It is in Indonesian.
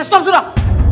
eh stop sudah